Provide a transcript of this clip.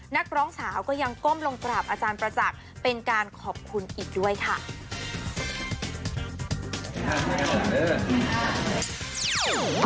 นักร้องสาวก็ยังก้มลงกราบอาจารย์ประจักษ์เป็นการขอบคุณอีกด้วยค่ะ